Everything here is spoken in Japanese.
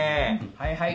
はいはい。